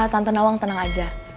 tante nawang tenang aja